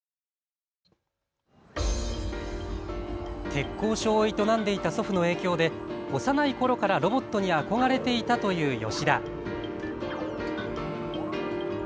鉄工所を営んでいた祖父の影響で幼いころからロボットに憧れていたという吉田。